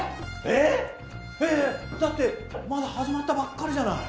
えっだってまだ始まったばっかりじゃない。